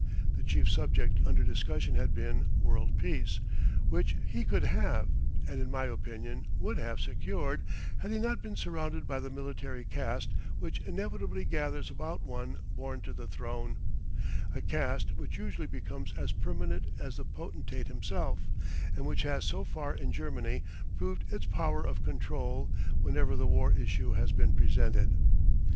The chief subject under discussion had been World Peace, which he could have, and in my opinion, would have secured, had he not been surrounded by the military caste which inevitably gathers about one born to the throne a caste which usually becomes as permanent as the potentate himself, and which has so far in Germany proved its power of control whenever the war issue has been presented.